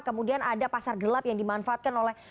kemudian ada pasar gelap yang dimanfaatkan oleh